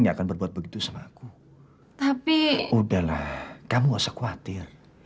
gak akan berbuat begitu sama aku tapi udahlah kamu usah khawatir